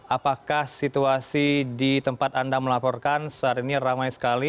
apakah situasi di tempat anda melaporkan saat ini ramai sekali